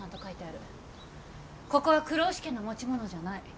ここは黒丑家の持ち物じゃない。